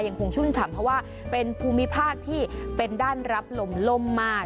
ยังคงชุ่มถามเพราะว่าเป็นภูมิภาคที่เป็นด้านรับลมลมมา